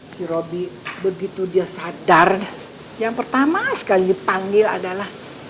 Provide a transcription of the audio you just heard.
si robi begitu dia sadar yang pertama sekali dipanggil adalah